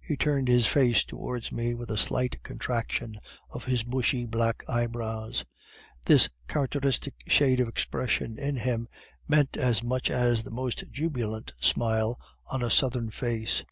"He turned his face towards me with a slight contraction of his bushy, black eyebrows; this characteristic shade of expression in him meant as much as the most jubilant smile on a Southern face.